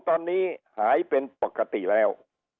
ตอนนี้หายเป็นปกติแล้ว